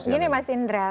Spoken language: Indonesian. gini mas indra